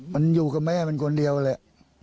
มันอยู่กับแม่มันคนเดียวแหละ